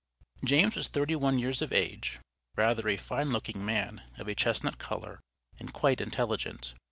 James was thirty one years of age, rather a fine looking man, of a chestnut color, and quite intelligent.